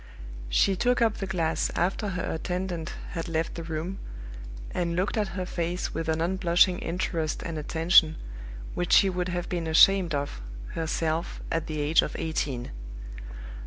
She took up the glass after her attendant had left the room, and looked at her face with an unblushing interest and attention which she would have been ashamed of herself at the age of eighteen.